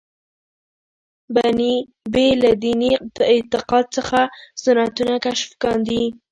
بې له دیني اعتقاد څخه سنتونه کشف کاندي.